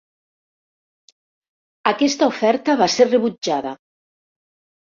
Aquesta oferta va ser rebutjada.